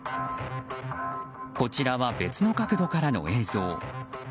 こちらは別の角度からの映像。